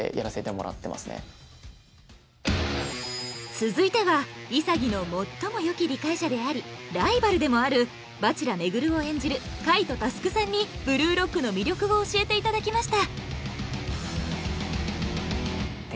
続いては潔の最も良き理解者でありライバルでもある蜂楽廻を演じる海渡翼さんに『ブルーロック』の魅力を教えて頂きました。